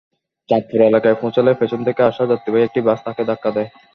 চাঁদপুর এলাকায় পৌঁছালে পেছন থেকে আসা যাত্রীবাহী একটি বাস তাকে ধাক্কায় দেয়।